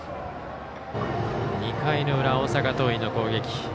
２回の裏、大阪桐蔭の攻撃。